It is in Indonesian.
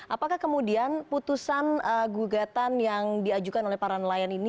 apakah kemudian putusan gugatan yang diajukan oleh para nelayan ini